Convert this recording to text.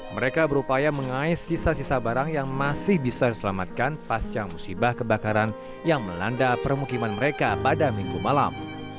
mereka berupaya mengais sisa sisa barang yang masih bisa diselamatkan pasca musibah kebakaran yang melanda permukiman mereka pada minggu malam